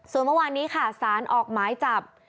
ส่วนเมื่อวานนี้ค่ะสารออกหมายจับ